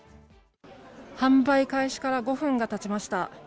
販売開始から５分がたちました。